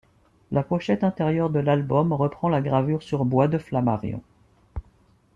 La pochette intérieure de l'album reprend la gravure sur bois de Flammarion.